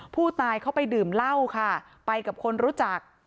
ผู้ตายเขาไปดื่มเหล้าค่ะไปกับคนรู้จัก